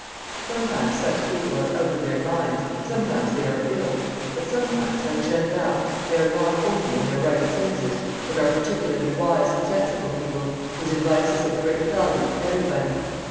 Sometimes such people are out of their minds, sometimes they are ill, but sometimes, like Jeanne D'Arc, they are not only in their right senses, but are par ticularly wise and sensible people, whose advice is of great value to everybody.